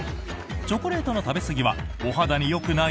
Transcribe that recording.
チョコレートの食べすぎはお肌によくない？